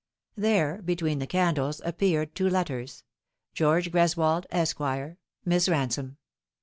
There, between the candles, appeared two letters :" George Greswold, Esq.," " Miss Bansome."